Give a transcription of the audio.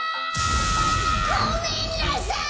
・ごめんなさい！